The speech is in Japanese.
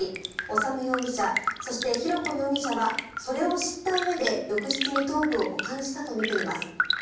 修容疑者、そして浩子容疑者はそれを知ったうえで浴室に頭部を保管したとみています。